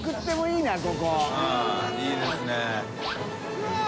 うんいいですね。